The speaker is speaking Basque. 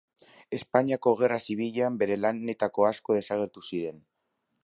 Espainiako Gerra Zibilean bere lanetako asko desagertu ziren.